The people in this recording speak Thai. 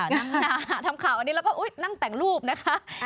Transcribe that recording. นั่งหนาทำข่าวอันนี้แล้วก็นั่งแต่งรูปนะคะ